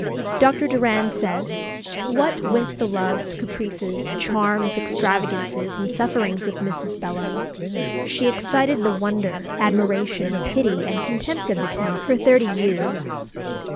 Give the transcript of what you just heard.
Dr. Doran says, "What with the loves, caprices, charms, extravagances, and sufferings of Mrs. Bellamy, she excited the wonder, admiration, pity, and contempt of the town for thirty years."